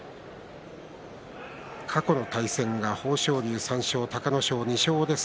過去の対戦、豊昇龍３勝隆の勝２勝です。